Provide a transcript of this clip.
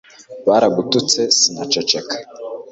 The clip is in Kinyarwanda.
baragututse sinaceceka